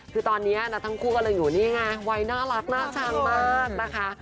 คือตอนนี้นะทั้งคู่กำลังอยู่นี่ไงวัยน่ารักน่าชังมากนะคะ